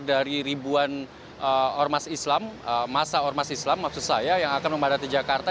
dari ribuan masa ormas islam yang akan membedati jakarta